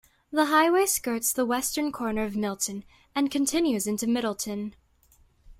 The highway skirts the western corner of Milton and continues into Middleton.